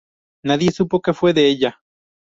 Nadie supo que fue de ella.